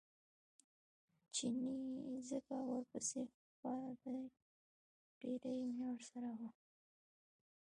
چیني ځکه ورپسې خپه دی ډېره یې مینه ورسره وه.